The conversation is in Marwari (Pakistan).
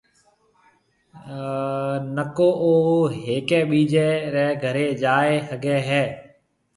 نڪو او ھيَََڪيَ ٻِيجيَ رَي گھرَي جائيَ ھگيَ ھيََََ